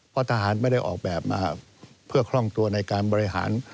เพราะทหารไม่ได้ออกแบบมาเพื่อคล่องตัวในการบริหาร